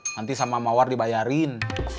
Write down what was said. nanti sama mawar dibayarin